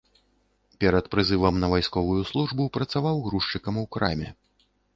Перад прызывам на вайсковую службу працаваў грузчыкам у краме.